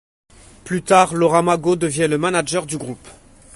Plus tard, Laurent Mago devient le manager du groupe.